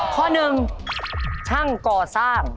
ข้อหนึ่งช่างก่อสร้าง